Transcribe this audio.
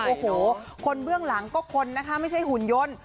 โอ้โหคนเบื้องหลังก็คนนะคะไม่ใช่หุ่นยนต์